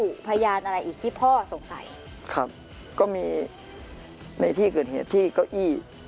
ครับก็มีในที่เกิดเหตุที่เก้าอี้